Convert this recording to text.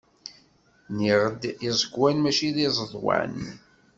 Nniɣ-d iẓekwan, mačči izeḍwan!